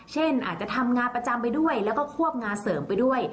เช่นอาจจะทำงานประจำไปด้วยแล้วก็ควบงานเสริมไปด้วย